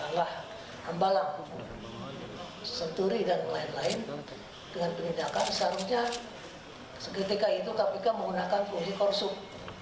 adalah hambalang senturi dan lain lain dengan penindakan seharusnya seketika itu kpk menggunakan fungsi korsum